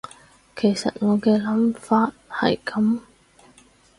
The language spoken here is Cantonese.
其實我嘅諗法係噉